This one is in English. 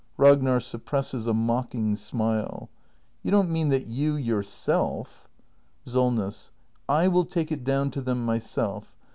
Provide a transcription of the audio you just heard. Ragnar. [Suppresses a mocking smile.] You don't mean that you yourself ? Solness. I will take it down to them myself.